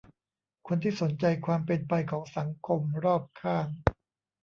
คนที่สนใจความเป็นไปของสังคมรอบข้าง